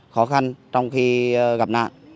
khó khăn trong khi gặp nạn